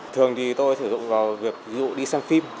thường thì tôi sử dụng vào việc ví dụ đi xem phim